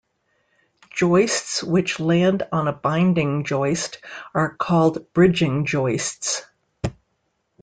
Joists which land on a binding joist are called bridging joists.